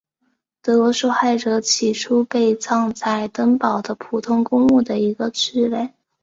德国受害者起初被葬在登堡的普通公墓的一个区域内。